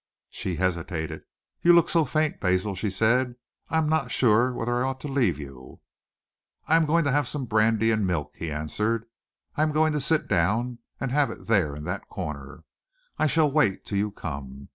She hesitated. "You look so faint, Basil," she said. "I am not sure whether I ought to leave you." "I am going to have some brandy and milk," he answered. "I am going to sit down and have it there in that corner. I shall wait till you come.